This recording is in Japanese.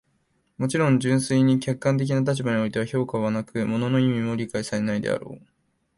もちろん、純粋に客観的な立場においては評価はなく、物の意味も理解されないであろう。